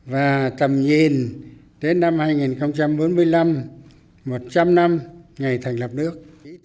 và tầm nhìn đến năm hai nghìn bốn mươi năm một trăm linh năm ngày thành lập nước